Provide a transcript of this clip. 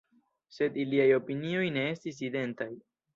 Sed iliaj opinioj ne estis identaj.